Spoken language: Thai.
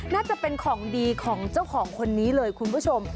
น่าจะเป็นของดีของเจ้าของคนนี้เลยคุณผู้ชม